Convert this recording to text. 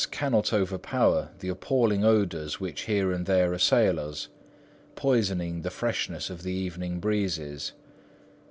cannot overpower the appalling odours which here and there assail us, poisoning the freshness of the evening breezes.